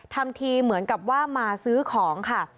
ทำทีเหมือนกับว่ามาซื้อของค่ะ